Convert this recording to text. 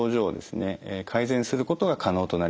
改善することが可能となります。